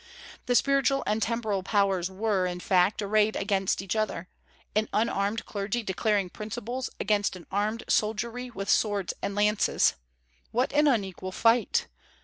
The spiritual and temporal powers were, in fact, arrayed against each other, an unarmed clergy, declaring principles, against an armed soldiery with swords and lances. What an unequal fight!